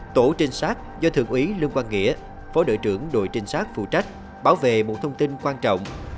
tổ trinh sát do thượng úy lương quang nghĩa phó đội trưởng đội trinh sát phụ trách bảo vệ một thông tin quan trọng